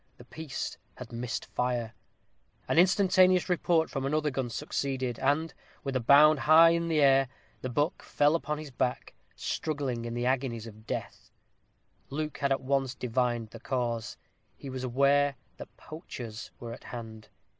The piece had missed fire. An instantaneous report from another gun succeeded; and, with a bound high in air, the buck fell upon his back, struggling in the agonies of death. Luke had at once divined the cause; he was aware that poachers were at hand.